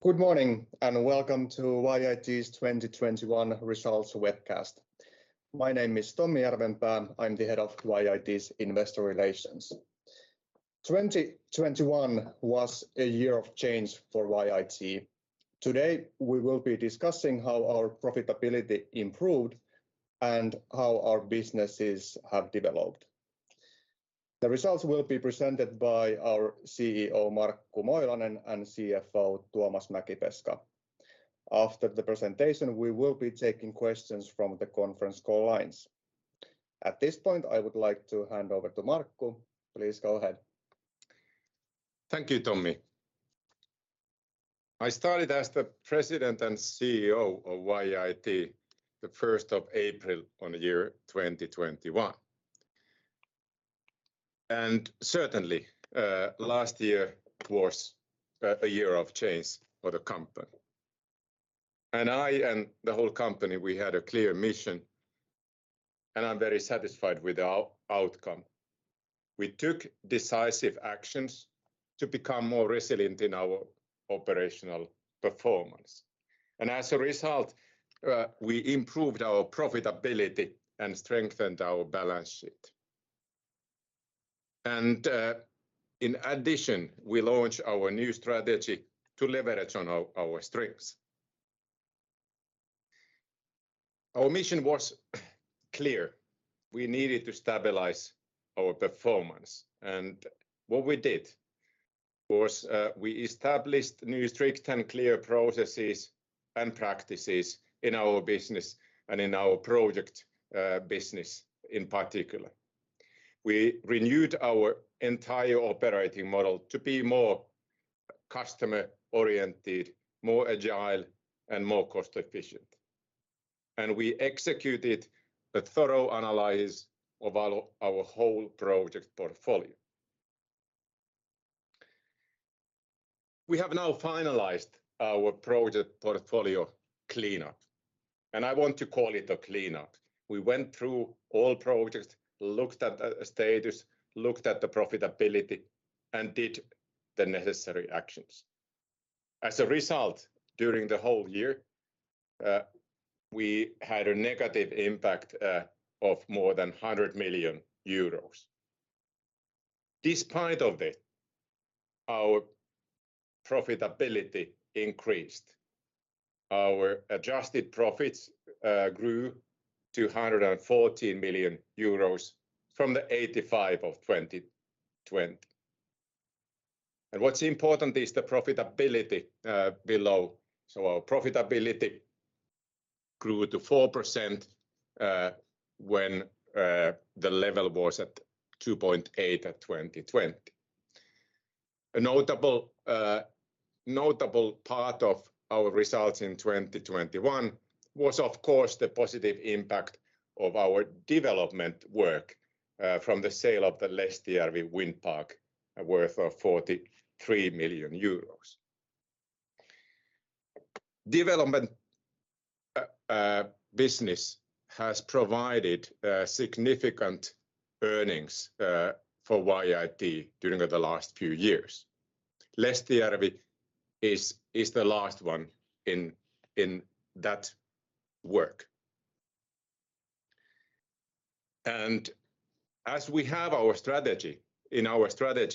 Good morning, and welcome to YIT's 2021 results webcast. My name is Tommi Järvenpää. I'm the head of YIT's investor relations. 2021 was a year of change for YIT. Today, we will be discussing how our profitability improved and how our businesses have developed. The results will be presented by our CEO, Markku Moilanen, and CFO, Tuomas Mäkipeska. After the presentation, we will be taking questions from the conference call lines. At this point, I would like to hand over to Markku. Please go ahead. Thank you, Tommi. I started as the President and CEO of YIT the first of April in the year 2021. Certainly, last year was a year of change for the company. I and the whole company, we had a clear mission, and I'm very satisfied with the outcome. We took decisive actions to become more resilient in our operational performance. As a result, we improved our profitability and strengthened our balance sheet. In addition, we launched our new strategy to leverage on our strengths. Our mission was clear. We needed to stabilize our performance, and what we did was, we established new strict and clear processes and practices in our business and in our project business in particular. We renewed our entire operating model to be more customer-oriented, more agile, and more cost-efficient. We executed a thorough analysis of our whole project portfolio. We have now finalized our project portfolio cleanup, and I want to call it a cleanup. We went through all projects, looked at the status, looked at the profitability, and did the necessary actions. As a result, during the whole year, we had a negative impact of more than 100 million euros. Despite of it, our profitability increased. Our adjusted profits grew to 114 million euros from the 85 of 2020. What's important is the profitability below. Our profitability grew to 4%, when the level was at 2.8% at 2020. A notable part of our results in 2021 was, of course, the positive impact of our development work from the sale of the Lestijärvi Wind Park, worth EUR 43 million. Development business has provided significant earnings for YIT during the last few years. Lestijärvi is the last one in that work. As we have our strategy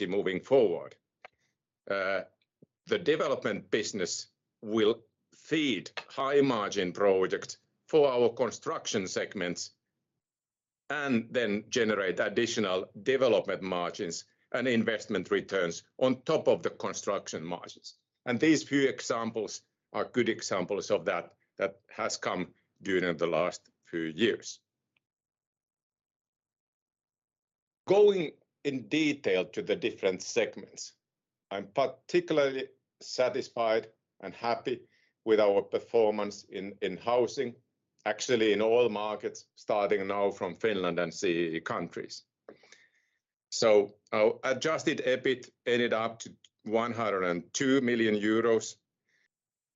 moving forward, the development business will feed high-margin projects for our construction segments and then generate additional development margins and investment returns on top of the construction margins. These few examples are good examples of that has come during the last few years. Going in detail to the different segments, I'm particularly satisfied and happy with our performance in housing, actually in all markets, starting now from Finland and CEE countries. Our Adjusted EBIT ended up to 102 million euros,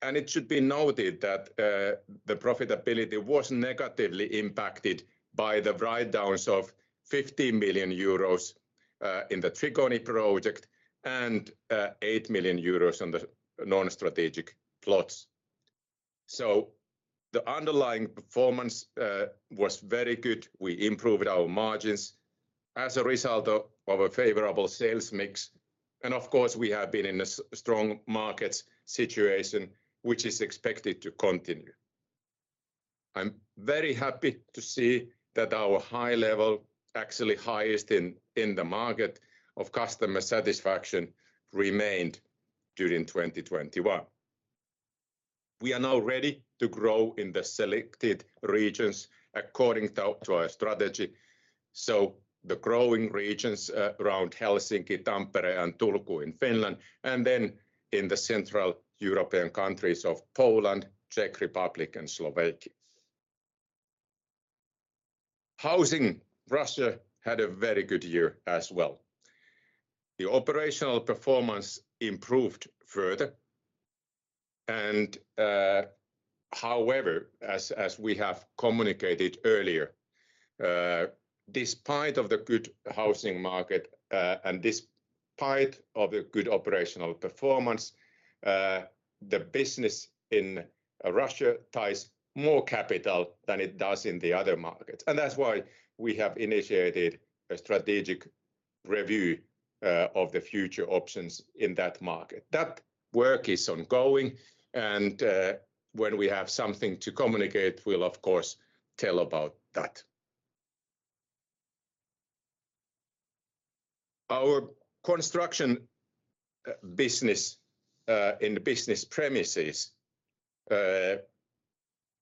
and it should be noted that the profitability was negatively impacted by the write-downs of 50 million euros in the Trigoni project and 8 million euros on the non-strategic plots. The underlying performance was very good. We improved our margins as a result of a favorable sales mix. Of course, we have been in a strong market situation, which is expected to continue. I'm very happy to see that our high level, actually highest in the market, of customer satisfaction remained during 2021. We are now ready to grow in the selected regions according to our strategy, the growing regions around Helsinki, Tampere, and Turku in Finland, and then in the Central European countries of Poland, Czech Republic, and Slovakia. Housing Russia had a very good year as well. The operational performance improved further. However, as we have communicated earlier, despite of the good housing market, and despite of the good operational performance, the business in Russia ties up more capital than it does in the other markets. That's why we have initiated a strategic review of the future options in that market. That work is ongoing, and when we have something to communicate, we'll of course tell about that. Our construction business in the Business Premises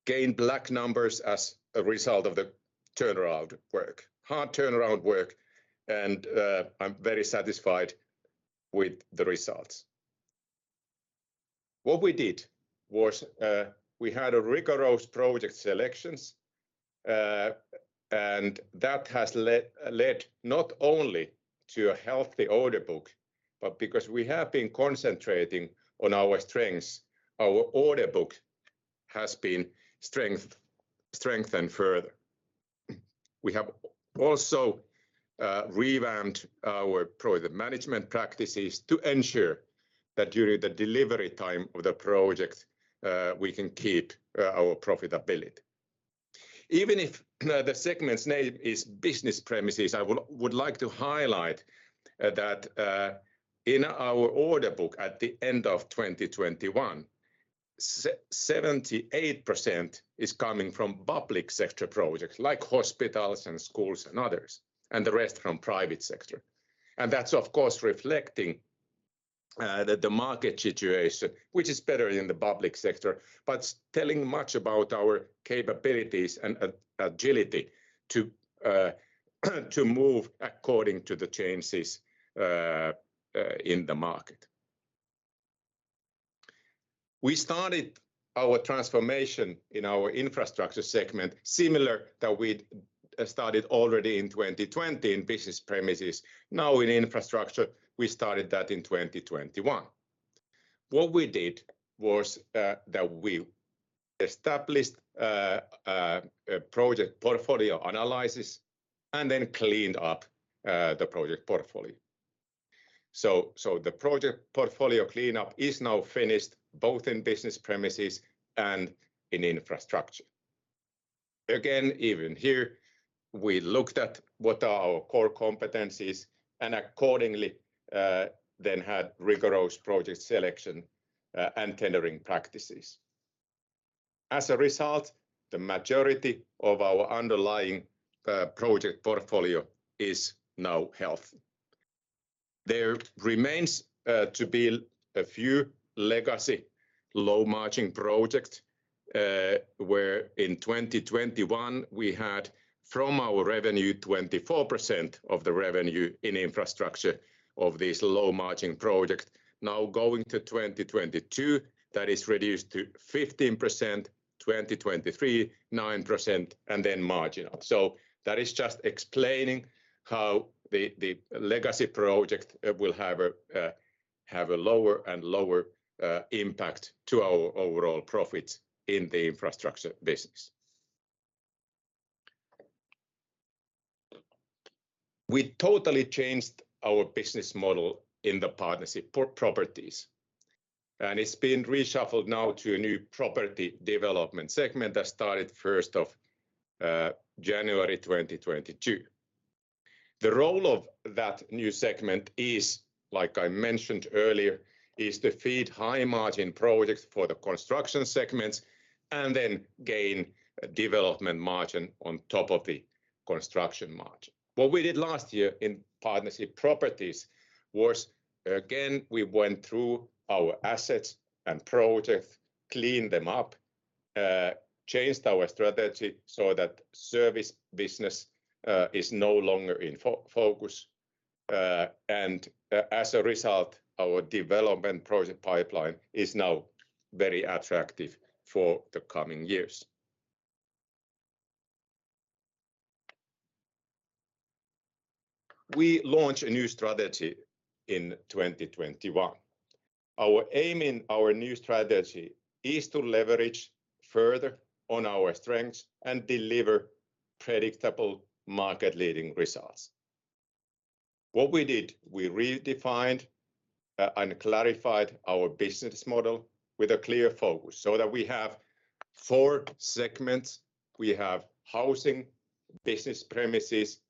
gained black numbers as a result of the turnaround work. Hard turnaround work. I'm very satisfied with the results. What we did was, we had a rigorous project selections, and that has led not only to a healthy order book, but because we have been concentrating on our strengths, our order book has been strengthened further. We have also revamped our project management practices to ensure that during the delivery time of the projects, we can keep our profitability. Even if, you know, the segment's name is Business Premises, I would like to highlight that in our order book at the end of 2021, 78% is coming from public sector projects like hospitals and schools and others, and the rest from private sector. That's of course reflecting the market situation, which is better in the public sector, but telling much about our capabilities and agility to move according to the changes in the market. We started our transformation in our Infrastructure segment similar to that we'd started already in 2020 in Business Premises. Now in Infrastructure, we started that in 2021. What we did was that we established a project portfolio analysis and then cleaned up the project portfolio. The project portfolio cleanup is now finished both in Business Premises and in Infrastructure. Again, even here, we looked at what are our core competencies and accordingly then had rigorous project selection and tendering practices. As a result, the majority of our underlying project portfolio is now healthy. There remains to be a few legacy low-margin projects, where in 2021 we had from our revenue, 24% of the revenue in Infrastructure of this low-margin project. Now going to 2022, that is reduced to 15%, 2023, 9%, and then marginal. That is just explaining how the legacy project will have a lower and lower impact to our overall profits in the Infrastructure business. We totally changed our business model in the Partnership Properties, and it's been reshuffled now to a new Property Development segment that started first of January 2022. The role of that new segment is, like I mentioned earlier, is to feed high-margin projects for the construction segments and then gain a development margin on top of the construction margin. What we did last year in Partnership Properties was, again, we went through our assets and projects, cleaned them up, changed our strategy so that service business is no longer in focus. As a result, our development project pipeline is now very attractive for the coming years. We launched a new strategy in 2021. Our aim in our new strategy is to leverage further on our strengths and deliver predictable market-leading results. What we did, we redefined and clarified our business model with a clear focus so that we have four segments. We have Housing, Business Premises,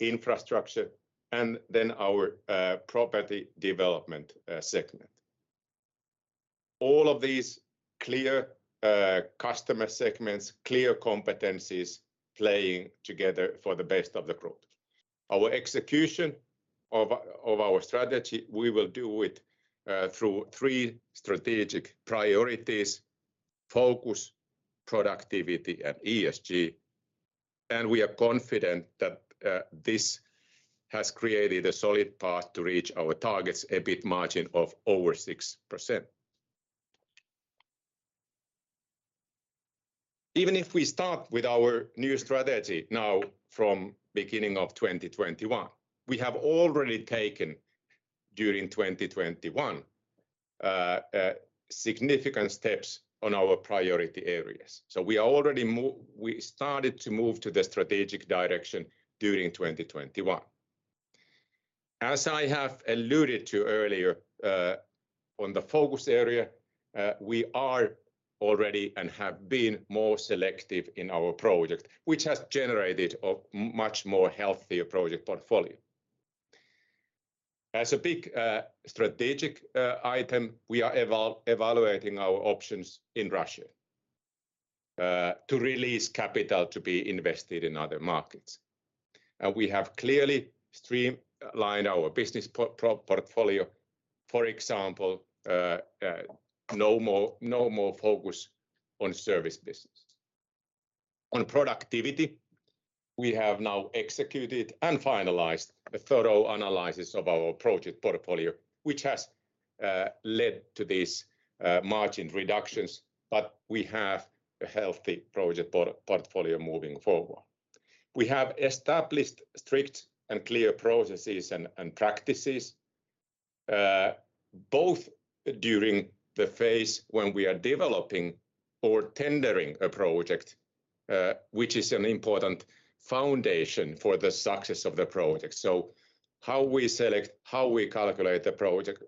Infrastructure, and then our Property Development segment. All of these clear customer segments, clear competencies playing together for the best of the group. Our execution of our strategy we will do it through three strategic priorities. Focus, productivity, and ESG. We are confident that this has created a solid path to reach our targets, EBIT margin of over 6%. Even if we start with our new strategy now from beginning of 2021, we have already taken, during 2021, significant steps on our priority areas. We started to move to the strategic direction during 2021. As I have alluded to earlier, on the focus area, we are already and have been more selective in our project, which has generated a much more healthier project portfolio. As a big strategic item, we are evaluating our options in Russia to release capital to be invested in other markets. We have clearly streamlined our business portfolio. For example, no more focus on service business. On productivity, we have now executed and finalized a thorough analysis of our project portfolio, which has led to these margin reductions, but we have a healthy project portfolio moving forward. We have established strict and clear processes and practices both during the phase when we are developing or tendering a project, which is an important foundation for the success of the project. How we select, how we calculate the project,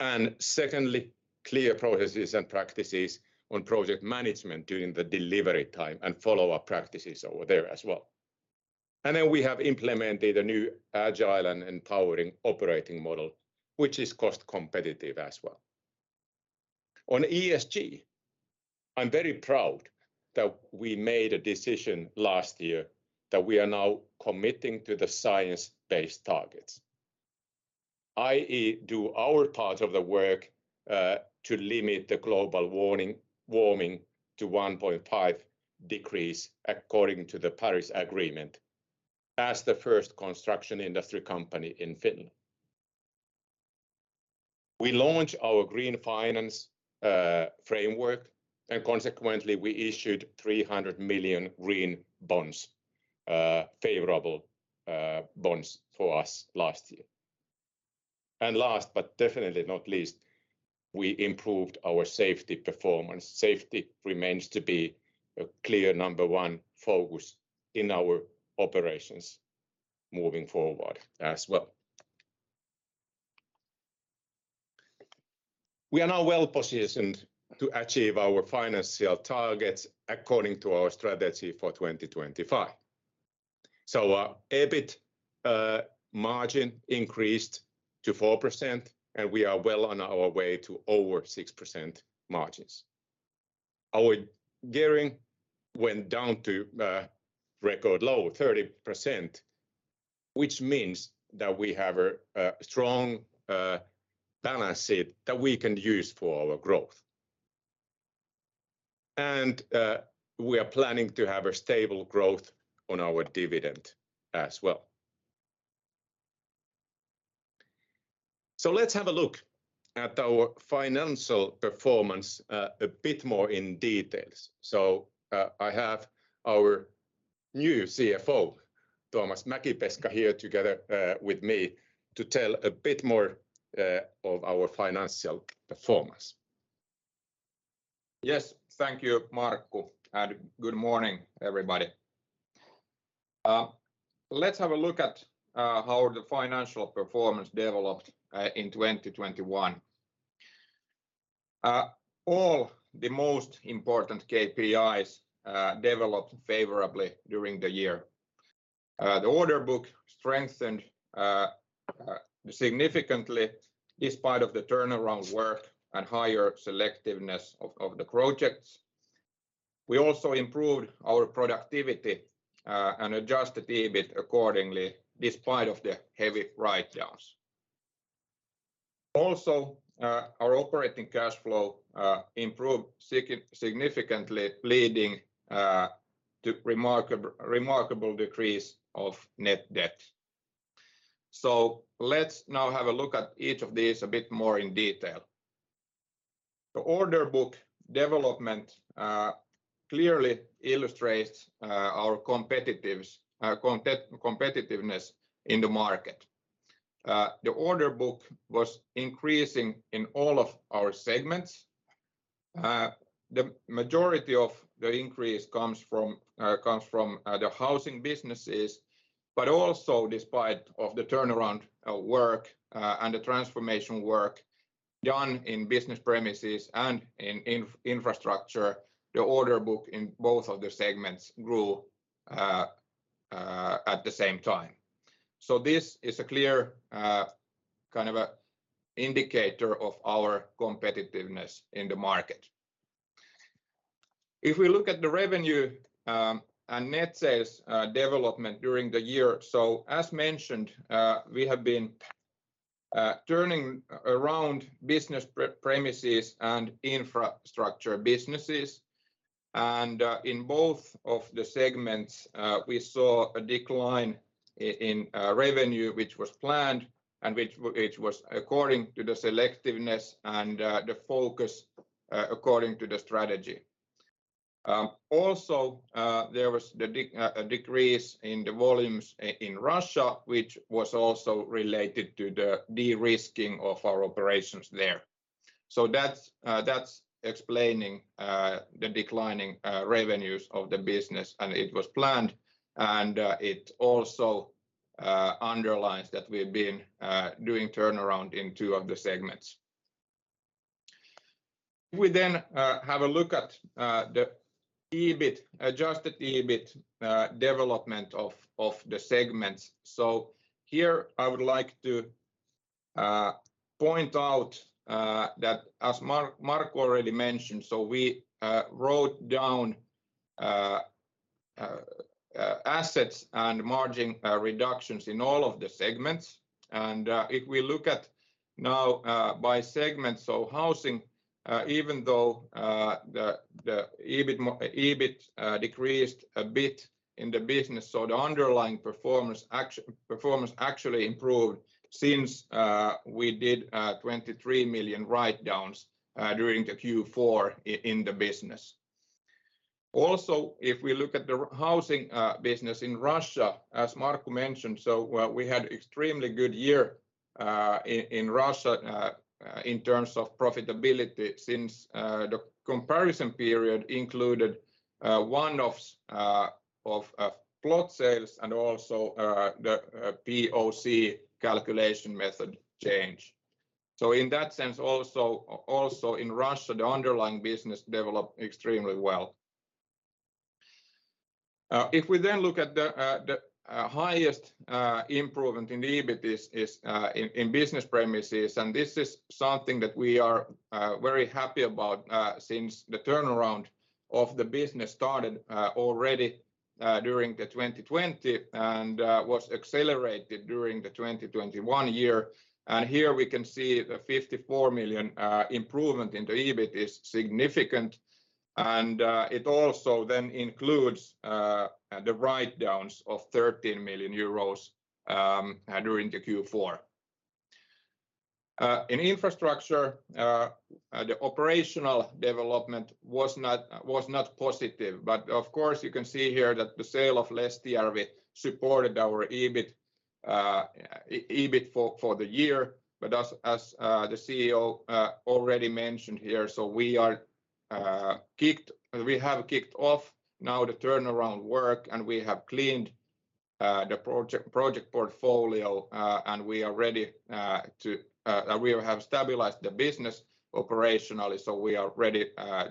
and secondly, clear processes and practices on project management during the delivery time and follow-up practices over there as well. We have implemented a new agile and empowering operating model, which is cost competitive as well. On ESG, I'm very proud that we made a decision last year that we are now committing to the Science-Based Targets, i.e., do our part of the work, to limit the global warming to 1.5 degrees according to the Paris Agreement as the first construction industry company in Finland. We launched our green finance framework, and consequently we issued 300 million green bonds, favorable bonds for us last year. Last but definitely not least, we improved our safety performance. Safety remains to be a clear number one focus in our operations moving forward as well. We are now well-positioned to achieve our financial targets according to our strategy for 2025. Our EBIT margin increased to 4%, and we are well on our way to over 6% margins. Our gearing went down to a record low, 30%, which means that we have a strong balance sheet that we can use for our growth. We are planning to have a stable growth on our dividend as well. Let's have a look at our financial performance a bit more in detail. I have our new CFO, Tuomas Mäkipeska, here together with me to tell a bit more of our financial performance. Yes. Thank you, Markku, and good morning, everybody. Let's have a look at how the financial performance developed in 2021. All the most important KPIs developed favorably during the year. The order book strengthened significantly despite the turnaround work and higher selectiveness of the projects. We also improved our productivity and adjusted EBIT accordingly despite the heavy write-downs. Our operating cash flow improved significantly, leading to a remarkable decrease of net debt. Let's now have a look at each of these a bit more in detail. The order book development clearly illustrates our competitiveness in the market. The order book was increasing in all of our segments. The majority of the increase comes from the housing businesses, but also despite the turnaround work and the transformation work done in Business Premises and in Infrastructure, the order book in both of the segments grew at the same time. This is a clear kind of a indicator of our competitiveness in the market. If we look at the revenue and net sales development during the year, as mentioned, we have been turning around Business Premises and Infrastructure businesses. In both of the segments, we saw a decline in revenue, which was planned, and it was according to the selectiveness and the focus according to the strategy. Also, there was a decrease in the volumes in Russia, which was also related to the de-risking of our operations there. That's explaining the declining revenues of the business, and it was planned, and it also underlines that we've been doing turnaround in two of the segments. We have a look at the EBIT, Adjusted EBIT, development of the segments. Here, I would like to point out that, as Markku already mentioned, we wrote down assets and margin reductions in all of the segments. If we look at now by segment, housing, even though the EBIT decreased a bit in the business, the underlying performance actually improved since we did 23 million write-downs during Q4 in the business. If we look at the housing business in Russia, as Markku mentioned, well, we had extremely good year in Russia in terms of profitability since the comparison period included one-offs of plot sales and also the POC calculation method change. In that sense also in Russia, the underlying business developed extremely well. If we look at the highest improvement in EBIT is in Business Premises, and this is something that we are very happy about since the turnaround of the business started already during the 2020 and was accelerated during the 2021 year. Here we can see the 54 million improvement in the EBIT is significant, and it also then includes the write-downs of 13 million euros during Q4. In Infrastructure the operational development was not positive, but of course, you can see here that the sale of Lestijärvi supported our EBIT for the year. As the CEO already mentioned here, we are kicked. We have kicked off now the turnaround work, and we have cleaned the project portfolio, and we are ready. We have stabilized the business operationally, so we are ready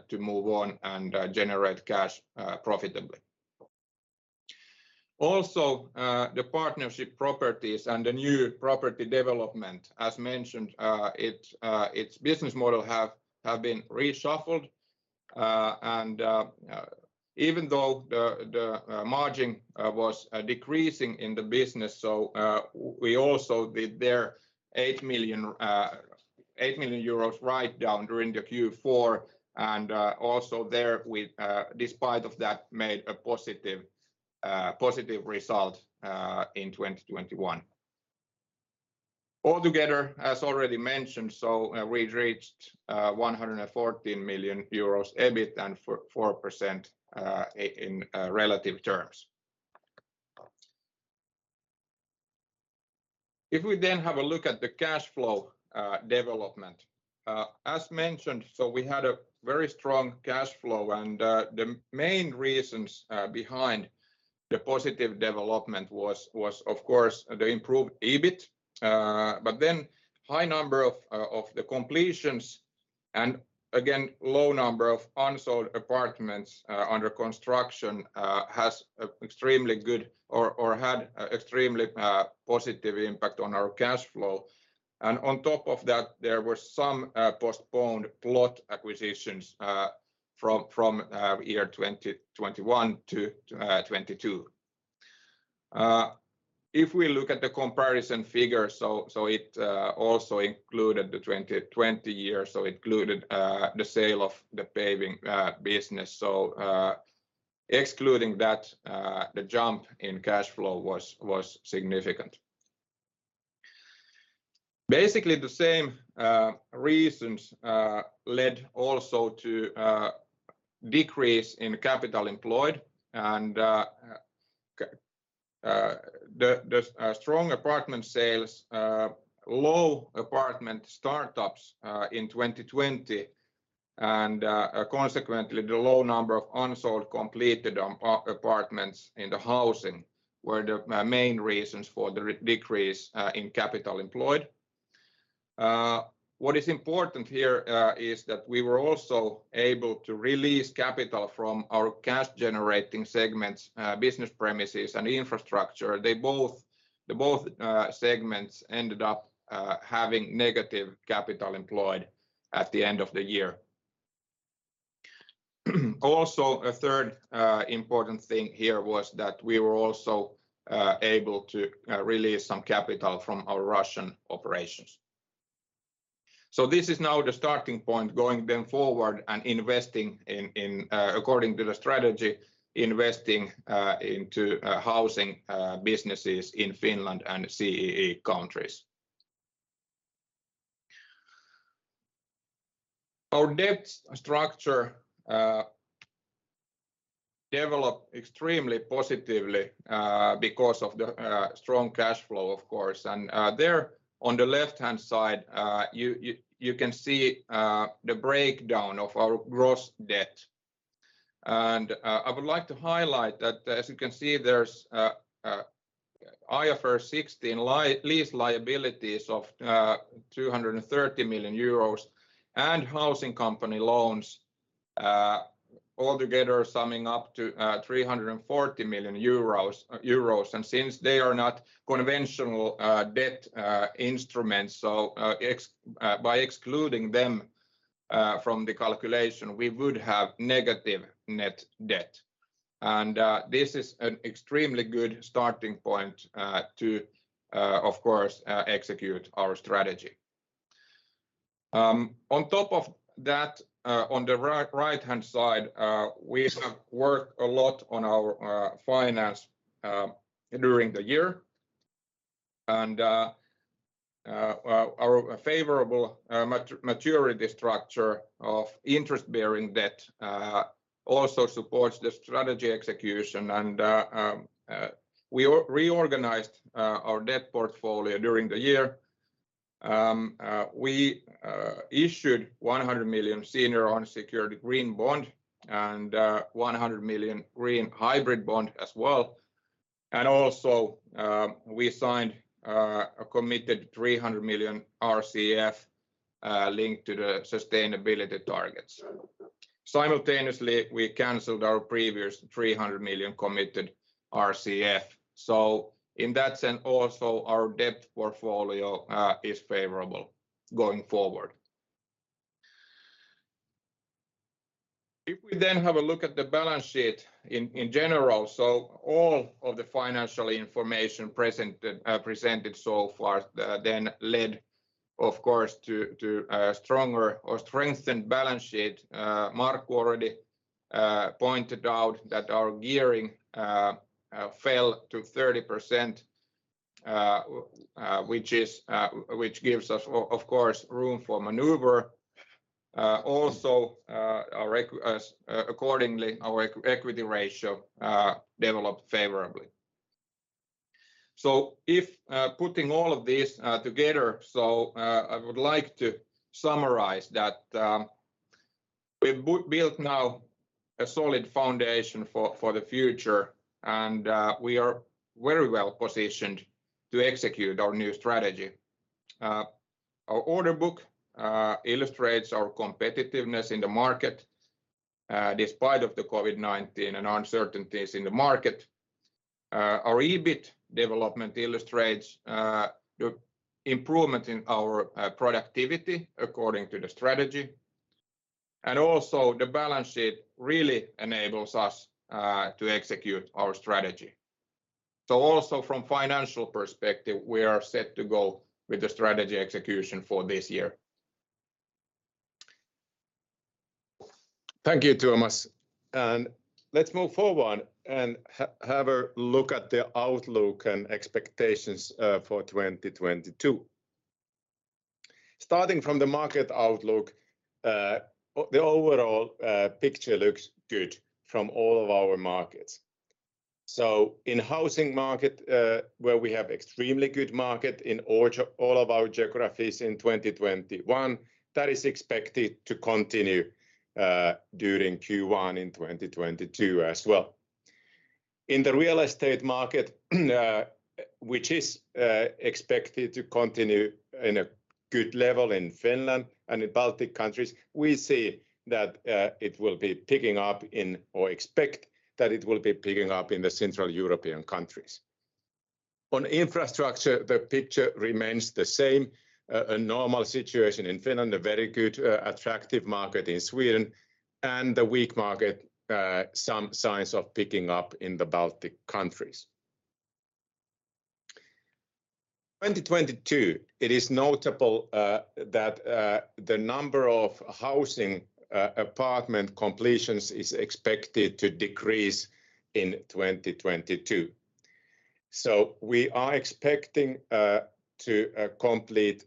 to move on and generate cash profitably. Also, the Partnership Properties and the New Property Development, as mentioned, its business model have been reshuffled. Even though the margin was decreasing in the business, we also did there 8 million euros write-down during the Q4, and also there we, despite of that, made a positive result in 2021. Altogether, as already mentioned, we reached 114 million euros EBIT and 4% in relative terms. If we then have a look at the cash flow development, as mentioned, we had a very strong cash flow, and the main reasons behind the positive development was of course the improved EBIT, but high number of the completions and again, low number of unsold apartments under construction had extremely positive impact on our cash flow. On top of that, there were some postponed plot acquisitions from year 2021 to 2022. If we look at the comparison figures, it also included 2020, including the sale of the paving business. Excluding that, the jump in cash flow was significant. Basically, the same reasons led also to decrease in capital employed and the strong apartment sales, low apartment startups, in 2020, and consequently, the low number of unsold completed apartments in the housing were the main reasons for the decrease in capital employed. What is important here is that we were also able to release capital from our cash-generating segments, Business Premises and Infrastructure. Both segments ended up having negative capital employed at the end of the year. Also, a third important thing here was that we were also able to release some capital from our Russian operations. This is now the starting point going then forward and investing in according to the strategy, investing into housing businesses in Finland and CEE countries. Our debt structure developed extremely positively because of the strong cash flow, of course. There on the left-hand side, you can see the breakdown of our gross debt. I would like to highlight that, as you can see there's IFRS 16 lease liabilities of 230 million euros and housing company loans all together summing up to 340 million euros. Since they are not conventional debt instruments, so by excluding them from the calculation, we would have negative net debt. This is an extremely good starting point to, of course, execute our strategy. On top of that, on the right-hand side, we have worked a lot on our financing during the year. Our favorable maturity structure of interest-bearing debt also supports the strategy execution. We reorganized our debt portfolio during the year. We issued 100 million Senior Unsecured Green Bond, and 100 million Green Hybrid Bond as well. We signed a committed 300 million RCF linked to the sustainability targets. Simultaneously, we canceled our previous 300 million committed RCF. In that sense also our debt portfolio is favorable going forward. If we then have a look at the balance sheet in general, all of the financial information presented so far then led of course to a stronger or strengthened balance sheet. Markku already pointed out that our gearing fell to 30%, which gives us of course room for maneuver. Also, accordingly our equity ratio developed favorably. If putting all of this together, I would like to summarize that we've built now a solid foundation for the future and we are very well positioned to execute our new strategy. Our order book illustrates our competitiveness in the market, despite of the COVID-19 and uncertainties in the market. Our EBIT development illustrates the improvement in our productivity according to the strategy. Also the balance sheet really enables us to execute our strategy. Also from financial perspective, we are set to go with the strategy execution for this year. Thank you, Tuomas. Let's move forward and have a look at the outlook and expectations for 2022. Starting from the market outlook, the overall picture looks good from all of our markets. In housing market, where we have extremely good market in all of our geographies in 2021, that is expected to continue during Q1 in 2022 as well. In the real estate market, which is expected to continue in a good level in Finland and the Baltic countries, we see that it will be picking up in the central European countries. On Infrastructure, the picture remains the same, a normal situation in Finland, a very good, attractive market in Sweden, and the weak market, some signs of picking up in the Baltic countries. 2022, it is notable that the number of housing apartment completions is expected to decrease in 2022. We are expecting to complete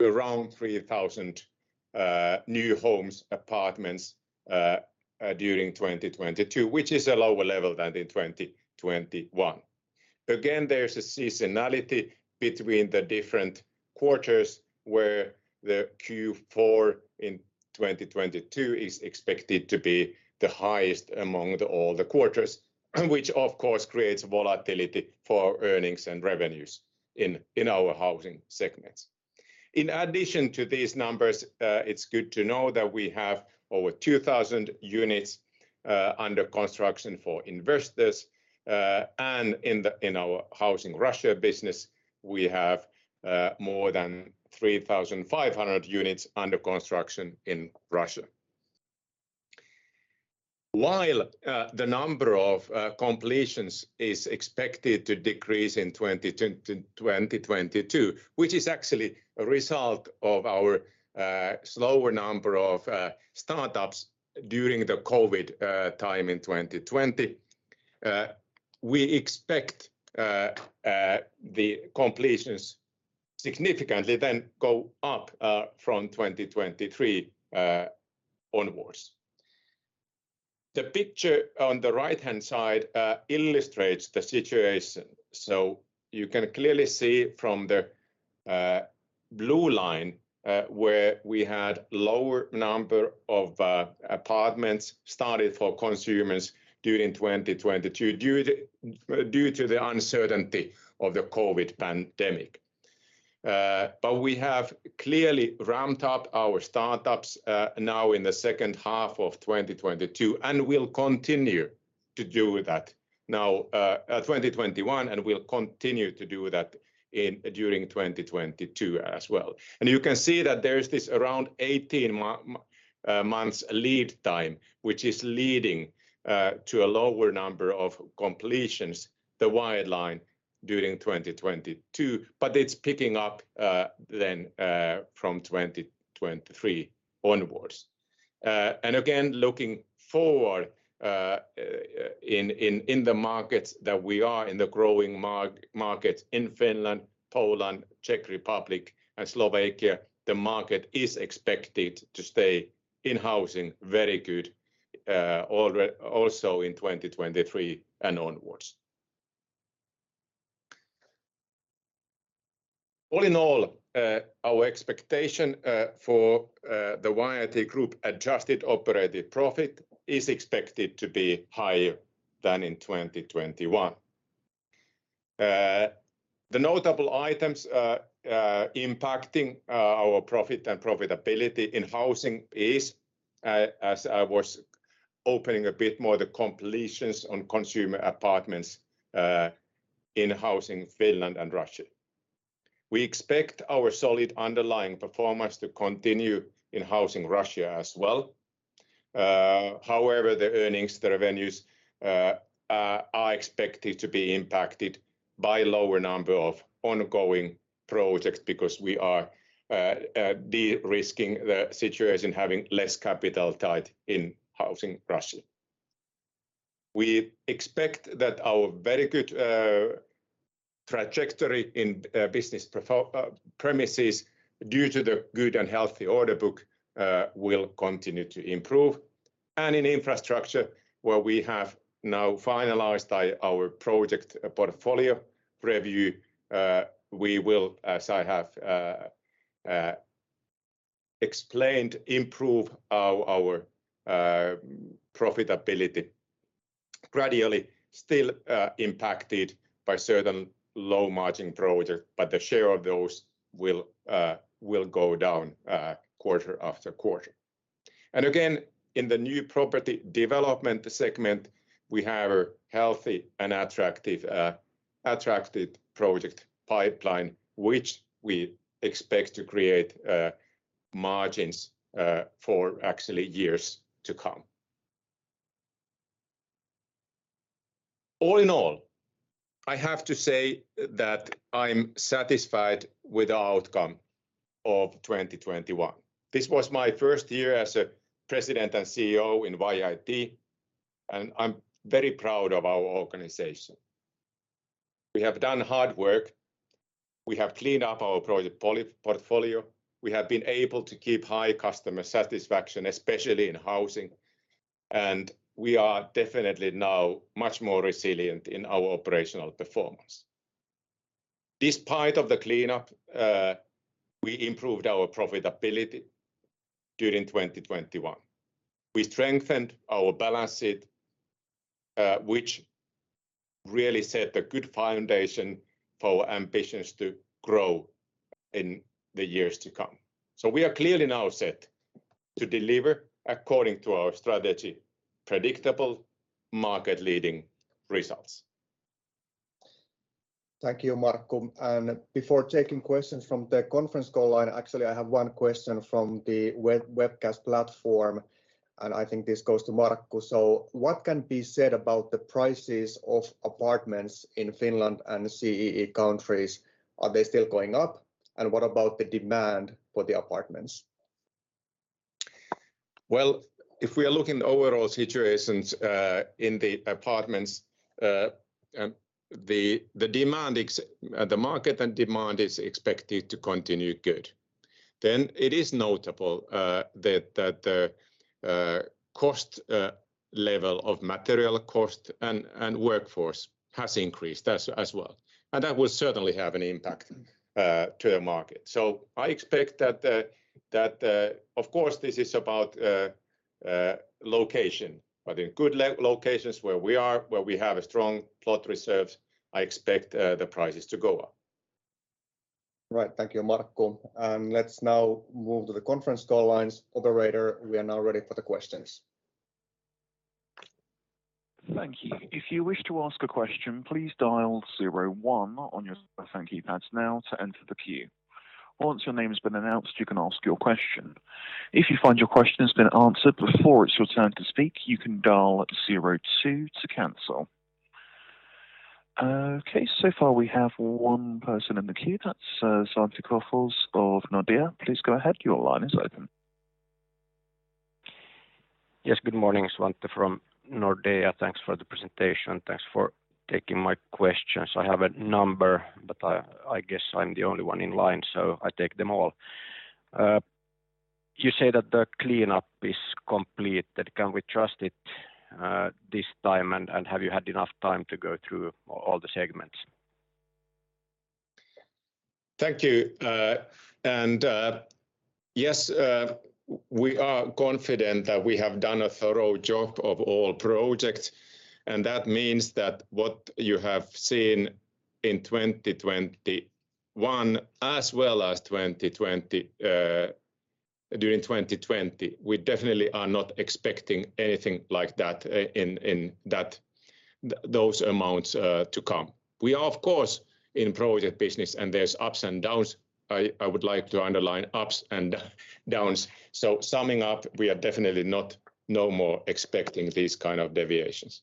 around 3,000 new homes, apartments during 2022, which is a lower level than in 2021. Again, there's a seasonality between the different quarters, where the Q4 in 2022 is expected to be the highest among all the quarters, which of course creates volatility for earnings and revenues in our housing segments. In addition to these numbers, it's good to know that we have over 2,000 units under construction for investors. In our Housing Russia business, we have more than 3,500 units under construction in Russia. The number of completions is expected to decrease in 2022, which is actually a result of our slower number of startups during the COVID time in 2020. We expect the completions significantly then go up from 2023 onwards. The picture on the right-hand side illustrates the situation. You can clearly see from the blue line where we had lower number of apartments started for consumers during 2022, due to the uncertainty of the COVID pandemic. We have clearly ramped up our startups now in the second half of 2022, and we'll continue to do that now 2021, and we'll continue to do that in during 2022 as well. You can see that there's this around 18 months lead time, which is leading to a lower number of completions, the white line, during 2022, but it's picking up then from 2023 onwards. Looking forward in the markets that we are in the growing markets in Finland, Poland, Czech Republic, and Slovakia, the market is expected to stay in housing very good also in 2023 and onwards. All in all our expectation for the YIT Group adjusted operating profit is expected to be higher than in 2021. The notable items impacting our profit and profitability in housing is, as I was opening a bit more, the completions on consumer apartments in Housing Finland and Russia. We expect our solid underlying performance to continue in Housing Russia as well. However, the earnings, the revenues are expected to be impacted by lower number of ongoing projects because we are de-risking the situation, having less capital tied in Housing Russia. We expect that our very good trajectory in Business Premises due to the good and healthy order book will continue to improve. In Infrastructure, where we have now finalized our project portfolio review, we will, as I have explained, improve our profitability gradually, still impacted by certain low-margin projects, but the share of those will go down quarter after quarter. In the new Property Development segment, we have a healthy and attractive project pipeline, which we expect to create margins for actually years to come. All in all, I have to say that I'm satisfied with the outcome of 2021. This was my first year as a President and CEO in YIT, and I'm very proud of our organization. We have done hard work. We have cleaned up our project portfolio. We have been able to keep high customer satisfaction, especially in Housing. We are definitely now much more resilient in our operational performance. Despite of the cleanup, we improved our profitability during 2021. We strengthened our balance sheet, which really set a good foundation for our ambitions to grow in the years to come. We are clearly now set to deliver according to our strategy, predictable market-leading results. Thank you, Markku. Before taking questions from the conference call line, actually, I have one question from the webcast platform. I think this goes to Markku. What can be said about the prices of apartments in Finland and CEE countries? Are they still going up? What about the demand for the apartments? Well, if we are looking overall situations in the apartments, the market and demand is expected to continue good. It is notable that the cost level of material cost and workforce has increased as well. That will certainly have an impact to the market. I expect that of course this is about location. In good locations where we are, where we have a strong plot reserve, I expect the prices to go up. Right. Thank you, Markku. Let's now move to the conference call lines. Operator, we are now ready for the questions. Thank you. If you wish to ask a question, please dial zero one on your phone keypads now to enter the queue. Once your name has been announced, you can ask your question. If you find your question has been answered before it's your turn to speak, you can dial zero two to cancel. Okay. So far we have one person in the queue. That's, Svante Krokfors of Nordea. Please go ahead. Your line is open. Yes. Good morning. Svante from Nordea. Thanks for the presentation. Thanks for taking my questions. I have a number, but I guess I'm the only one in line, so I take them all. You say that the cleanup is complete. That, can we trust it this time? Have you had enough time to go through all the segments? Thank you. Yes, we are confident that we have done a thorough job of all projects, and that means that what you have seen in 2021 as well as 2020, during 2020, we definitely are not expecting anything like that in those amounts to come. We are of course in project business, and there's ups and downs. I would like to underline ups and downs. Summing up, we are definitely not no more expecting these kind of deviations.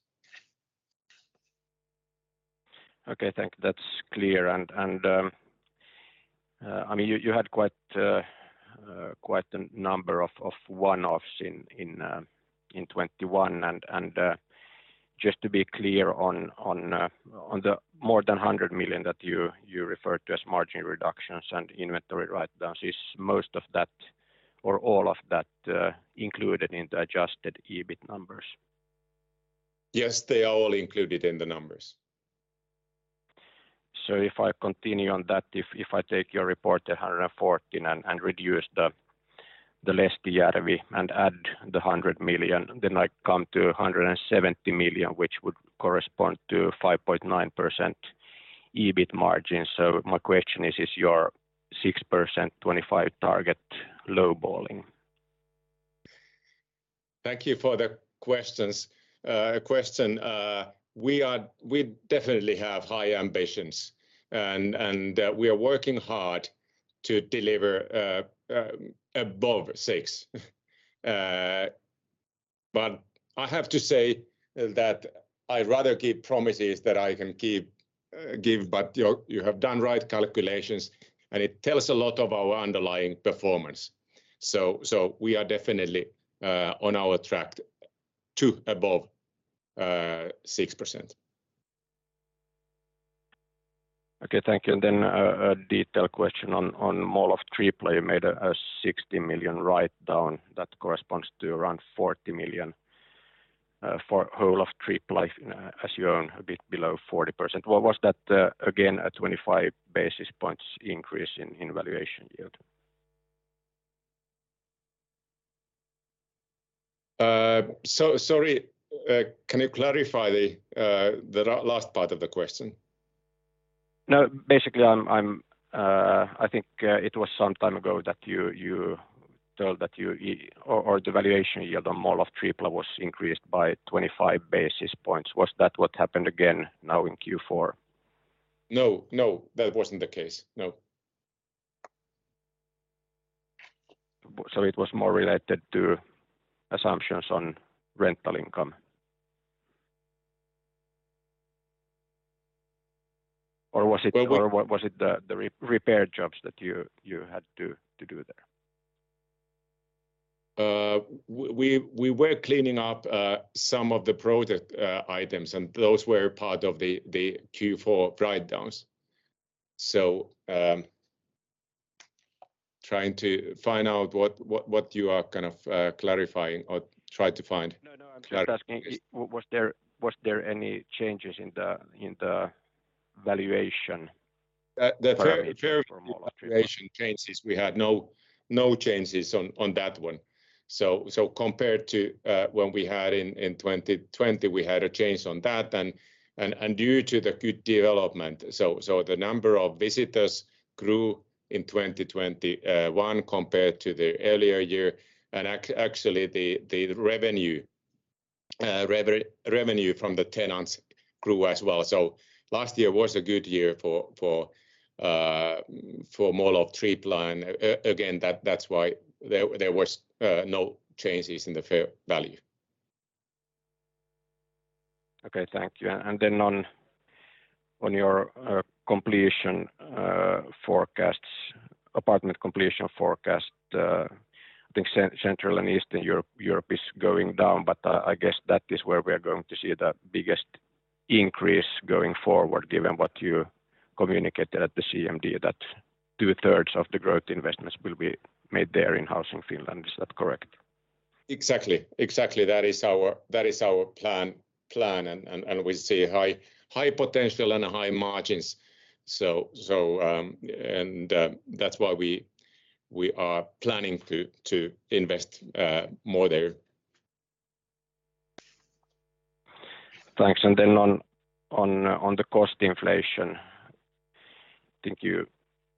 Okay. Thank you. That's clear. I mean, you had quite a number of one-offs in 2021. Just to be clear on the more than 100 million that you referred to as margin reductions and inventory write-downs. Is most of that or all of that included in the Adjusted EBIT numbers? Yes, they are all included in the numbers. If I continue on that, if I take your report at 114 and reduce the Lestijärvi and add the 100 million, then I come to a 170 million, which would correspond to 5.9% EBIT margin. My question is your 6% 2025 target low-balling? Thank you for the question. We definitely have high ambitions and we are working hard to deliver above 6%. I have to say that I'd rather keep promises that I can keep. You have done right calculations, and it tells a lot of our underlying performance. We are definitely on track to above 6%. Okay. Thank you. A detail question on Mall of Tripla. You made a 60 million write-down that corresponds to around 40 million for whole of Tripla as you own a bit below 40%. What was that again, a 25 basis points increase in valuation yield? Sorry. Can you clarify the last part of the question? No, basically, I think it was some time ago that the valuation yield on Mall of Tripla was increased by 25 basis points. Was that what happened again now in Q4? No, no, that wasn't the case, no. It was more related to assumptions on rental income? Or was it? Well. Was it the repair jobs that you had to do there? We were cleaning up some of the project items, and those were part of the Q4 write-downs. Trying to find out what you are kind of clarifying or try to find clarity. No, no, I'm just asking, was there any changes in the valuation? Uh, the fair- Parameter for Mall of Tripla Valuation changes, we had no changes on that one. Compared to when we had in 2020, we had a change on that and due to the good development. The number of visitors grew in 2021 compared to the earlier year. Actually, the revenue from the tenants grew as well. Last year was a good year for Mall of Tripla. Again, that's why there was no changes in the fair value. Okay. Thank you. On your completion forecasts, apartment completion forecast, I think Central and Eastern Europe is going down, but I guess that is where we are going to see the biggest increase going forward, given what you communicated at the CMD, that two-thirds of the growth investments will be made there in Housing Finland. Is that correct? Exactly. That is our plan. We see high potential and high margins. That's why we are planning to invest more there. Thanks. On the cost inflation, I think you,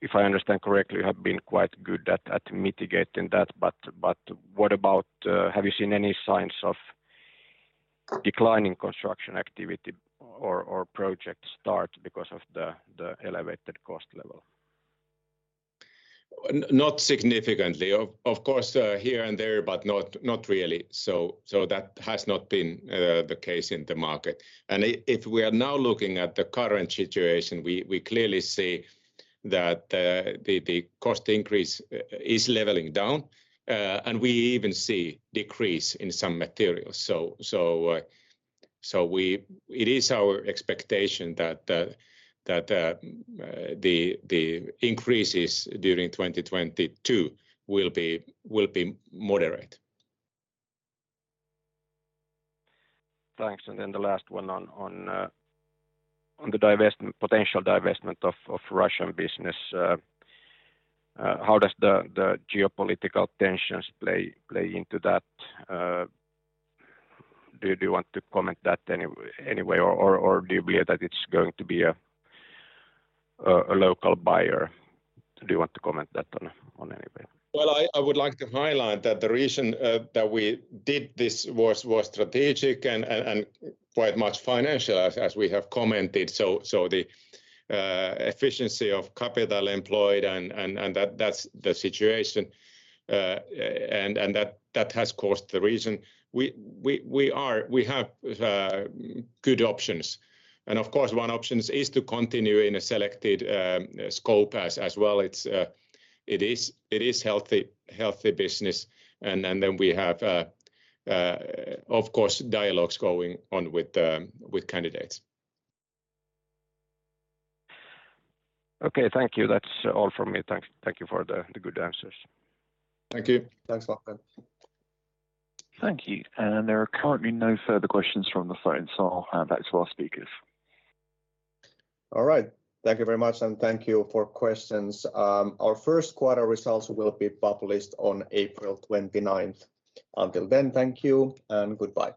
if I understand correctly, have been quite good at mitigating that. But what about, have you seen any signs of declining construction activity or project start because of the elevated cost level? Not significantly. Of course, here and there, but not really. That has not been the case in the market. If we are now looking at the current situation, we clearly see that the cost increase is leveling down. We even see decrease in some materials. It is our expectation that the increases during 2022 will be moderate. Thanks. The last one on the divestment, potential divestment of Russian business. How does the geopolitical tensions play into that? Do you want to comment on that anyway or do you believe that it's going to be a local buyer? Do you want to comment on that anyway? Well, I would like to highlight that the reason that we did this was strategic and quite much financial as we have commented. The efficiency of capital employed and that's the situation. That has caused the reason. We have good options. Of course, one option is to continue in a selected scope as well. It is healthy business. We have of course dialogues going on with candidates. Okay. Thank you. That's all from me. Thanks. Thank you for the good answers. Thank you. Thanks a lot. Thank you. There are currently no further questions from the phone, so I'll hand back to our speakers. All right. Thank you very much, and thank you for questions. Our first quarter results will be published on April 29th. Until then, thank you and goodbye.